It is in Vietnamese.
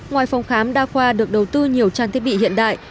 ngoài phòng khám đa khoa được đầu tư nhiều trang thiết bị hiện đại